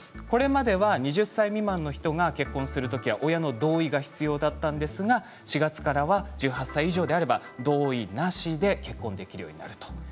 これまでは２０歳未満の人が結婚するときは親の同意が必要だったんですが４月からは１８歳以上であれば同意なしで結婚できるようになる。